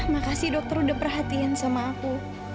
makasih dokter udah perhatiin sama aku